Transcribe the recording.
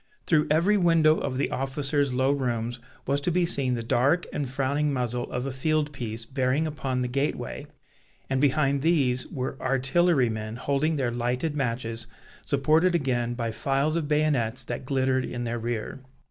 Through every window of the officers' low rooms was to be seen the dark and frowning muzzle of a field piece bearing upon the gateway, and behind these were artillerymen holding their lighted matches, supported again by files of bayonets that glittered in their rear.